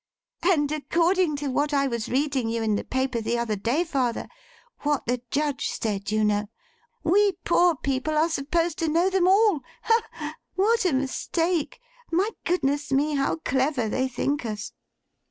'And according to what I was reading you in the paper the other day, father; what the Judge said, you know; we poor people are supposed to know them all. Ha ha! What a mistake! My goodness me, how clever they think us!